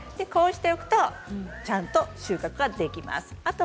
こうしておくとさっと収穫ができます。